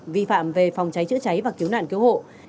vi phạm về phòng cháy chữa cháy và cứu nạn cứu hộ